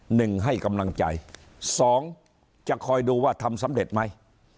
หนึ่งให้กำลังใจสองจะคอยดูว่าทำสำเร็จไหม